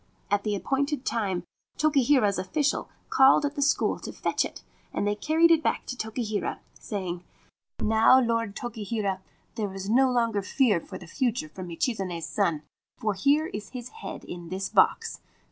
At the appointed time Tokihira's officials called at the school to fetch it, and they carried it back to Tokihira, saying : c Now, Lord Tokihira, there is no longer fear for the future from Michizane's son, for here is his head in this box.